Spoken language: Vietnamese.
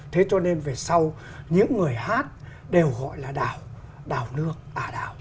thế cho nên về sau những người hát đều gọi là đào đào nước ả đào